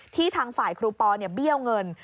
ทางฝ่ายครูปอเบี้ยวเงิน